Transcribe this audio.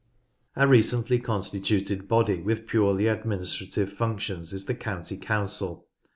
A recently constituted body with purely administrative functions is the County Council.